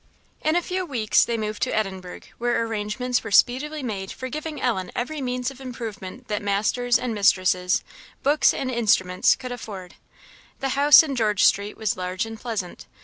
In a few weeks they moved to Edinburgh, where arrangements were speedily made for giving Ellen every means of improvement that masters and mistresses, books and instruments, could afford. The house in George street was large and pleasant.